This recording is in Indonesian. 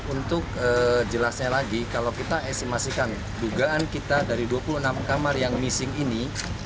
untuk jelasnya lagi kalau kita esimasikan dugaan kita dari dua puluh enam kamar yang missing ini